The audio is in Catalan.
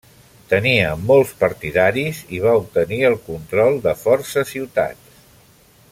Tenia molts partidaris i va obtenir el control de força ciutats.